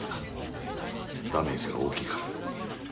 ダメージが大きいから。